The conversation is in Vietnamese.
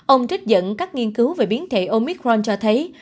ông trích dẫn các nghiên cứu về biến thể omicron cho thấy